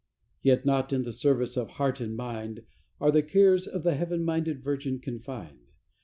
Yet not to the service of heart and mind, Are the cares of that heaven minded virgin confined.